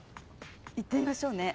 いってみましょうね。